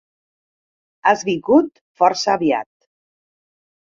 Has vingut força aviat.